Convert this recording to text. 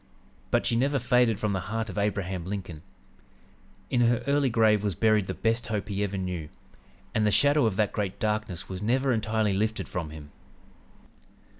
But she never faded from the heart of Abraham Lincoln. ... In her early grave was buried the best hope he ever knew, and the shadow of that great darkness was never entirely lifted from him.